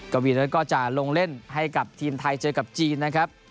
กวีนั้นก็จะลงเล่นให้กับทีมไทยเจอกับจีนนะครับ